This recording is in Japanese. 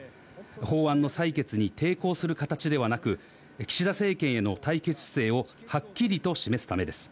法案の採決に抵抗する形ではなく、岸田政権への対決姿勢をはっきりと示すためです。